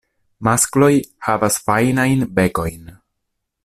Maskloj havas fajnajn bekojn.